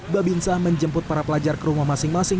babinsa menjemput para pelajar ke rumah masing masing